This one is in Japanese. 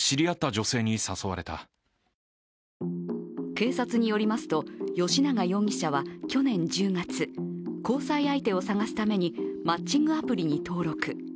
警察によりますと吉永容疑者は去年１０月交際相手を探すためにマッチングアプリに登録。